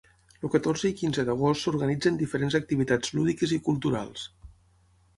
El catorze i quinze d'agost s'organitzen diferents activitats lúdiques i culturals.